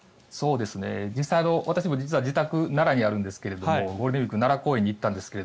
実際、私も実は自宅が奈良にあるんですがゴールデンウィーク奈良公園に行ったんですが